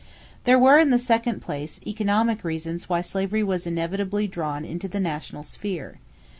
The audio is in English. There were, in the second place, economic reasons why slavery was inevitably drawn into the national sphere.